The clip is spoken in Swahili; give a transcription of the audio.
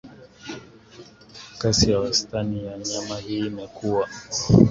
kasi ya wastani ya nyama hii imekuwa